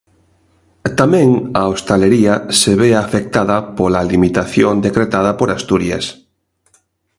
Tamén a hostalería se ve afectada pola limitación decretada por Asturias.